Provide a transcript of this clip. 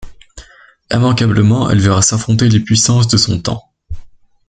Immanquablement, elle verra s’affronter les puissances de son temps.